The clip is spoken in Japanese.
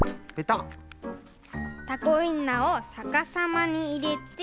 タコウインナーをさかさまにいれて。